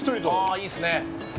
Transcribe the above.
ああいいですね。